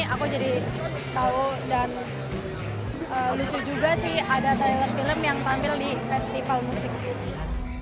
aku jadi tahu dan lucu juga sih ada tyler film yang tampil di festival musik